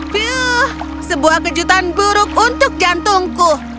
piuh sebuah kejutan buruk untuk jantungku